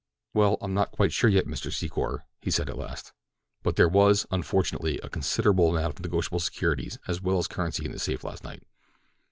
"Why, I'm not quite sure yet, Mr. Secor," he said at last; "but there was, unfortunately, a considerable amount of negotiable securities as well as currency in the safe last night.